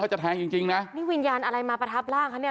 จะแทงจริงจริงนะนี่วิญญาณอะไรมาประทับร่างเขาเนี่ย